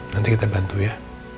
nanti kita bantu ya